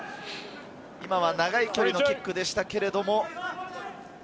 長い距離のキックでしたけれども。